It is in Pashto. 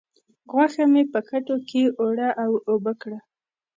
غوښه مې په کټو کې اوړه و اوبه کړه.